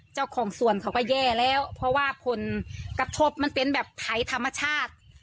เจ้าของสวนเขาก็แย่แล้วเพราะว่าผลกระทบมันเป็นแบบไทยธรรมชาติ